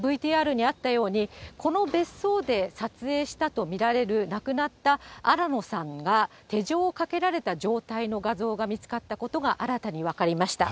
ＶＴＲにあったように、この別荘で撮影したと見られる、亡くなった新野さんが手錠をかけられた状態の画像が見つかったことが新たに分かりました。